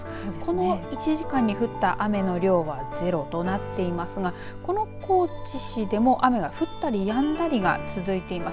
この１時間に降った雨の量はゼロとなっていますがこの高知市でも雨が降ったりやんだりが続いています。